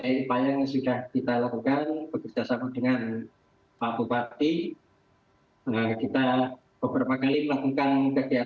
yang sudah kita lakukan bekerjasama dengan kabupaten kita beberapa kali melakukan kegiatan